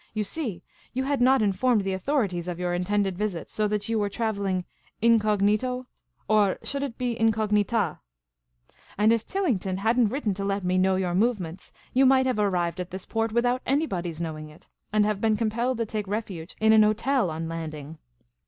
You see, you had not informed the authorities ot your intended visit, so that you were travelling incognito — or should it be incognita f — and if Tillington had n't written to let me know your movements, you might have arrived at this port without anybody's knowing it, and have been compelled to take refuge in an hotel on landing."